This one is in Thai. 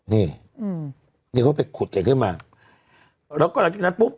นี่อืมนี่เขาไปขุดกันขึ้นมาแล้วก็หลังจากนั้นปุ๊บ